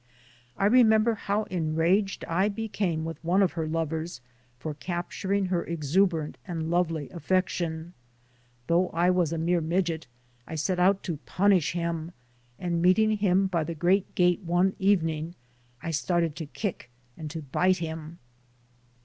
I remember how enraged I became with one of her lovers for capturing her exuberant and lovely affection. Though I was a mere midget, I set out to punish him, and meeting him by the Great Gate one evening, I started to kick and to bite him.